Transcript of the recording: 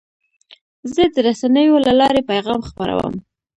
زه د رسنیو له لارې پیغام خپروم.